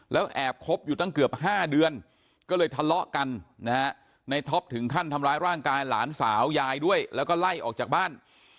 แล้วแอบคบอยู่ตั้งเกือบ๕เดือนก็เลยทะเลาะกันนะฮะในท็อปถึงขั้นทำร้ายร่างกายหลานสาวยายด้วยแล้วก็ไล่ออกจากบ้าน